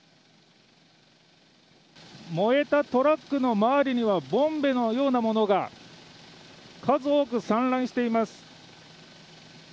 燃えたトラックの周りにはボンベのようなものが数多く散乱しています。